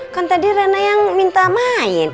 kan tadi rana yang minta main